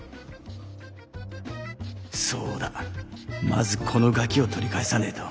まずこのガキを取り返さねえと。